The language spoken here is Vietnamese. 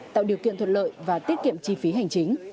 tạo điều kiện thuận lợi và tiết kiệm chi phí hành chính